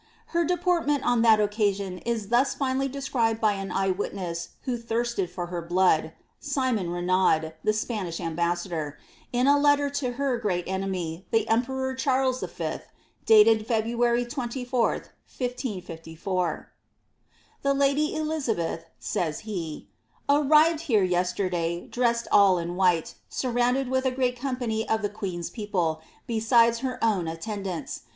Her deportment on that occasion is thus finely lescribed by an eye witness who thirsted for her blood — Simon Renaud^ iie Spanish ambassador, in a letter to her great enemy, the emperor Charles Vth, dated February 24th, 1554. •* The lady Elizabeth," says he, arrived here yesterday, dressed all ia white, surrounded with a great company of the queen's people, be lidfs her own attendants.